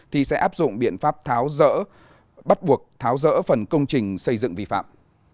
thì sẽ áp dụng biện pháp tháo rỡ bắt buộc tháo rỡ phần công trình xây dựng vi phạm